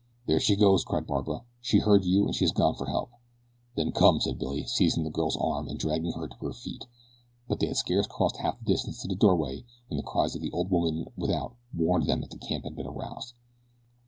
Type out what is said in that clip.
"There she goes!" cried Barbara. "She heard you and she has gone for help." "Then come!" said Billy, seizing the girl's arm and dragging her to her feet; but they had scarce crossed half the distance to the doorway when the cries of the old woman without warned them that the camp was being aroused.